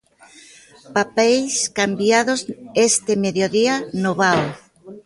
Papeis cambiados este mediodía no Vao.